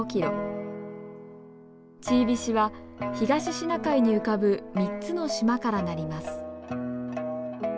チービシは東シナ海に浮かぶ３つの島からなります。